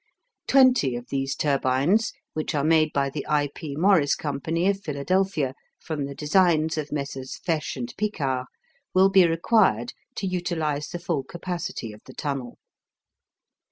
Twenty of these turbines, which are made by the I. P. Morris Company of Philadelphia, from the designs of Messrs. Faesch and Piccard, will be required to utilize the full capacity of the tunnel.